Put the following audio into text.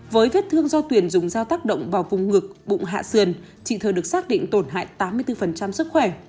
với vết thương do tuyền dùng dao tác động vào vùng ngực bụng hạ sườn chị thờ được xác định tổn hại tám mươi bốn sức khỏe